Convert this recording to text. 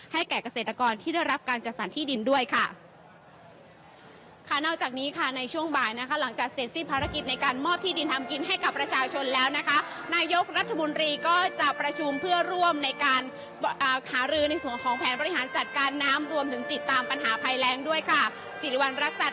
แก่เกษตรกรที่ได้รับการจัดสรรที่ดินด้วยค่ะ